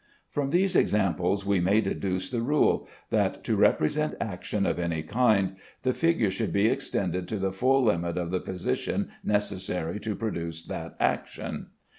From these examples we may deduce the rule, that to represent action of any kind, the figure should be extended to the full limit of the position necessary to produce that action.